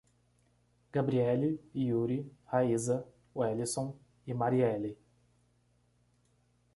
Gabriely, Iury, Raiza, Welison e Marieli